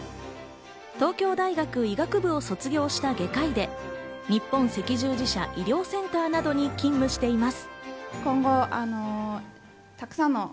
東京大学医学部を卒業した外科医で、日本赤十字社医療センターなどに勤務しています。